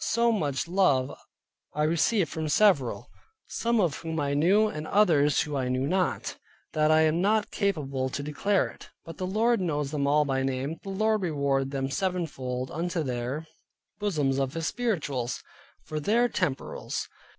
So much love I received from several (some of whom I knew, and others I knew not) that I am not capable to declare it. But the Lord knows them all by name. The Lord reward them sevenfold into their bosoms of His spirituals, for their temporals.